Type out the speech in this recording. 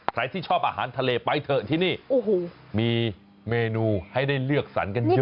ใครที่ชอบอาหารทะเลไปเถอะที่นี่มีเมนูให้ได้เลือกสรรกันเยอะ